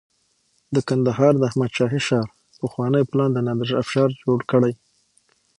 د کندهار د احمد شاهي ښار پخوانی پلان د نادر افشار جوړ کړی